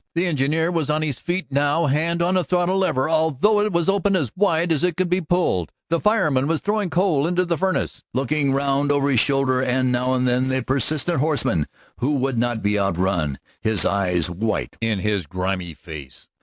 The engineer was on his feet now, hand on the throttle lever, although it was open as wide as it could be pulled. The fireman was throwing coal into the furnace, looking round over his shoulder now and then at the persistent horseman who would not be outrun, his eyes white in his grimy face.